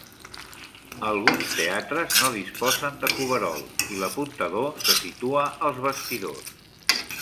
Alguns teatres no disposen de coverol i l'apuntador se situa als bastidors.